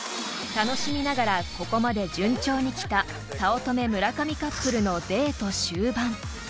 ［楽しみながらここまで順調に来た早乙女村上カップルのデート終盤］